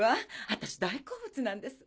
私大好物なんです。